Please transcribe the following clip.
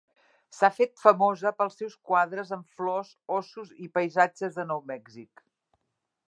S'ha fet famosa pels seus quadres amb flors, ossos i paisatges de Nou Mèxic.